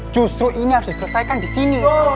justru ini harus diselesaikan disini